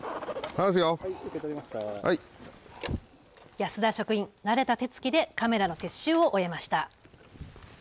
安田職員、慣れた手つきでカメラの撤収を終えました。